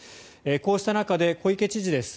こうした中で小池知事です。